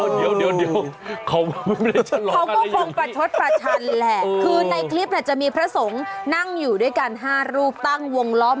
เดี๋ยวเขาก็คงประชดประชันแหละคือในคลิปเนี่ยจะมีพระสงฆ์นั่งอยู่ด้วยกัน๕รูปตั้งวงล้อม